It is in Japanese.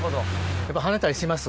やっぱ跳ねたりします？